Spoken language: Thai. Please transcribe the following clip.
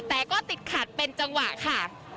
แต่ก็ติดขัดเป็นจังหวะค่ะ